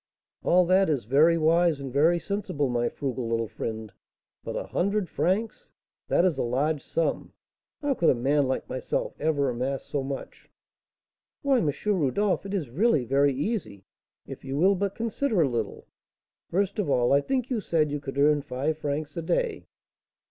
"All that is very wise and very sensible, my frugal little friend; but a hundred francs! that is a large sum; how could a man like myself ever amass so much?" "Why, M. Rodolph, it is really very easy, if you will but consider a little. First of all, I think you said you could earn five francs a day?"